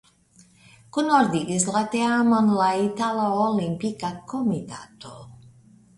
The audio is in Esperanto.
Kunordigis la teamon la Itala Olimpika Komitato.